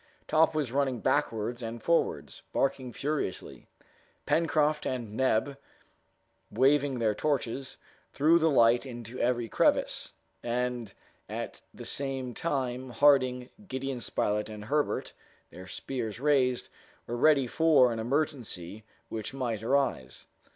Top was running backwards and forwards, barking furiously. Pencroft and Neb, waving their torches, threw the light into every crevice; and at the same time, Harding, Gideon Spilett, and Herbert, their spears raised, were ready for any emergency which might arise.